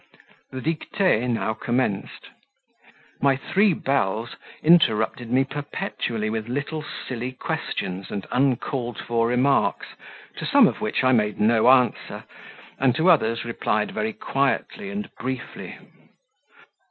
The dictee now commenced. My three belles interrupted me perpetually with little silly questions and uncalled for remarks, to some of which I made no answer, and to others replied very quietly and briefly.